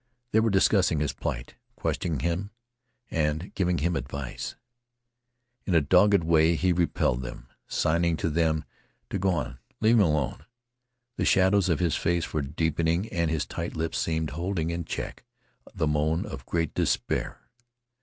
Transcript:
They were discussing his plight, questioning him and giving him advice. In a dogged way he repelled them, signing to them to go on and leave him alone. The shadows of his face were deepening and his tight lips seemed holding in check the moan of great despair.